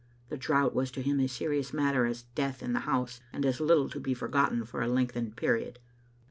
The drought was to him as seri ous a matter as death in the house, and as little to be forgotten for a lengthened period.